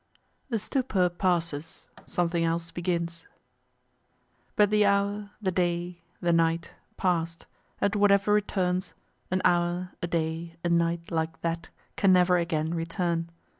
THE STUPOR PASSES SOMETHING ELSE BEGINS But the hour, the day, the night pass'd, and whatever returns, an hour, a day, a night like that can never again return.